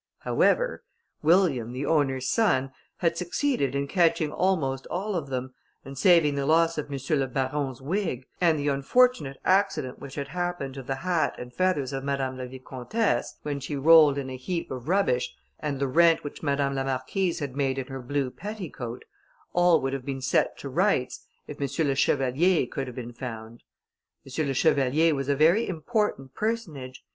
However, William, the owner's son, had succeeded in catching almost all of them, and, saving the loss of M. le Baron's wig, and the unfortunate accident which had happened to the hat and feathers of Madame la Vicomtesse, when she rolled in a heap of rubbish, and the rent which Madame la Marquise had made in her blue petticoat, all would have been set to rights, if M. le Chevalier could have been found. M. le Chevalier was a very important personage.